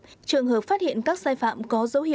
trong trường hợp phát hiện các sai phạm có dấu hiệu